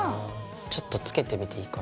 ちょっとつけてみていいかな。